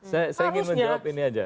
saya ingin menjawab ini aja